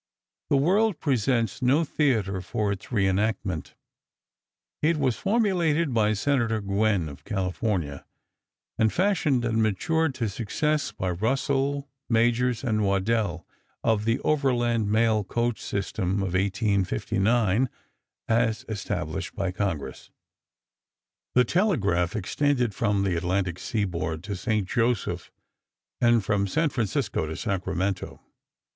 The world presents no theater for its reënactment. It was formulated by Senator Gwinn of California, and fashioned and matured to success by Russell, Majors & Waddell of the overland mail coach system of 1859, as established by Congress. [Illustration: RIDING PONY EXPRESS.] The telegraph extended from the Atlantic seaboard to St. Joseph and from San Francisco to Sacramento.